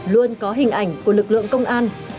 luôn có hình ảnh của lực lượng công an